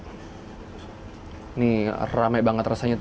ini rame banget rasanya